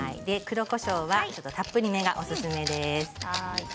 黒こしょうはたっぷりめがおすすめです。